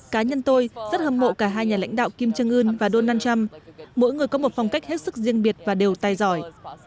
cá nhân tôi rất hâm mộ cả hai nhà lãnh đạo kim trương ưn và donald trump mỗi người có một phong cách hết sức riêng biệt và đều tài giỏi